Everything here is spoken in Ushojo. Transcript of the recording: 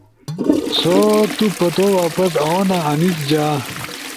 سو تو پتو واپس اونا! انیس جا۔ ا